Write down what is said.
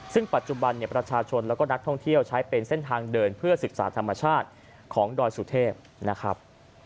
ซึ่งปัจจุบันเนี่ยประชาชนแล้วก็นักท่องเที่ยวใช้เป็นเส้นทางเดินเพื่อศึกษาธรรมชาติของดอยสุเทพนะครับ